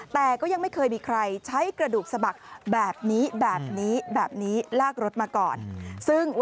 แต่ก็ยังไม่เคยมีใครใช้กระดูกสะบักแบบนี้แบบนี้แบบนี้แบบนี้ลากรถมาก่อน